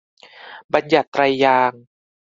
บัญญัติไตรยางศ์